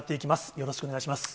よろしくお願いします。